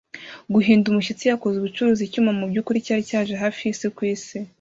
guhinda umushyitsi yakoze ubucuruzi. Icyuma, mubyukuri, cyari cyaje hafi yisi kwisi